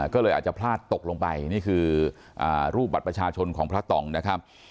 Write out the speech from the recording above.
ก็เลยอาจจะพลาดตกลงไปนี่คือรูปบัตรประชาชนของพระต่องนะครับ